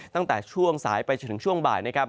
ตั้งแต่ช่วงสายไปจนถึงช่วงบ่ายนะครับ